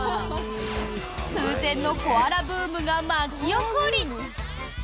空前のコアラブームが巻き起こり。